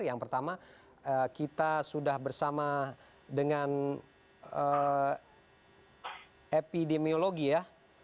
yang pertama kita sudah bersama dengan epidemiologi ya